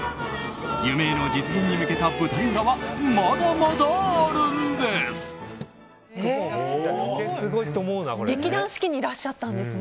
夢への実現に向けた舞台裏はまだまだあるんです。